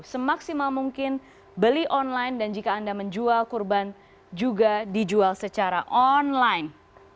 semaksimal mungkin beli online dan jika anda menjual kurban juga dijual secara online